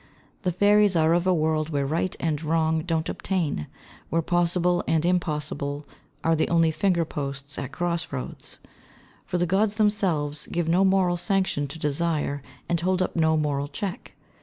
The fairies are of a world where Right and Wrong don't obtain, where Possible and Impossible are the only finger posts at cross roads; for the Gods themselves give no moral sanction to desire and hold up no moral check.